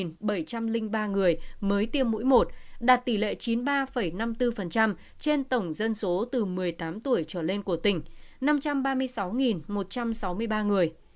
bốn tám trăm hai mươi bốn người đủ hai mũi bốn trăm linh bảy bảy trăm linh ba người mới tiêm mũi một đạt tỷ lệ chín mươi ba năm mươi bốn trên tổng dân số từ một mươi tám tuổi trở lên của tỉnh năm trăm ba mươi sáu một trăm sáu mươi ba người